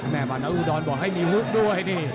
แม่บาณอุดรบอกให้มีหุ้กด้วย